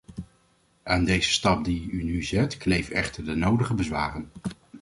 Aan deze stap die u nu zet, kleven echter de nodige bezwaren.